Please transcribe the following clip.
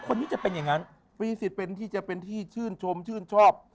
คนนี้จะเป็นอย่างนั้นฟรีสิทธิ์เป็นที่จะเป็นที่ชื่นชมชื่นชอบ